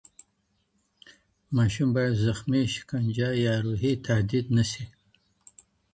ماشوم بايد زخمي، شکنجه يا روحي تهديد نسي.